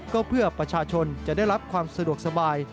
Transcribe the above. ก็เพื่อประชาชนจะได้รับความสะดวกสบาย